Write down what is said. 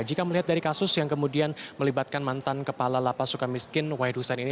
jika melihat dari kasus yang kemudian melibatkan mantan kepala lapas suka miskin wahid hussein ini